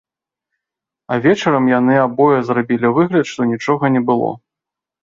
А вечарам яны абое зрабілі выгляд, што нічога не было.